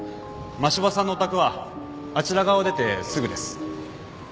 真柴さんのお宅はあちら側を出てすぐです。